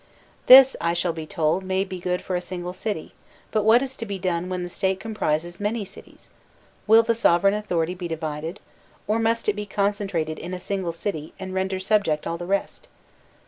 This, I shall be told, may be good for a single city; but what is to be done when the State comprises many cities? Will the sovereign authority be divided? Or must it be concentrated in a single city and render sub ject all the rest.